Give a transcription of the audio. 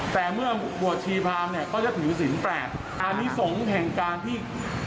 แต่เมื่อบวชชีพรามเนี่ยเขาจะถือศิลป์แปลกอันนี้สงฆ์แห่งการที่